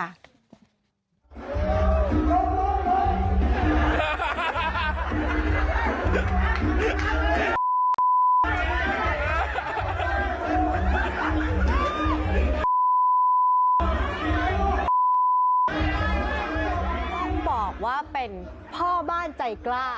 ต้องบอกว่าเป็นพ่อบ้านใจกล้า